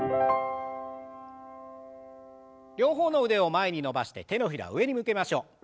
両方の腕を前に伸ばして手のひらを上に向けましょう。